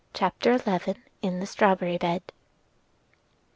CHAPTER XI. IN THE STRAWBERRY BED.